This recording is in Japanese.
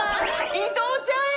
伊藤ちゃんや！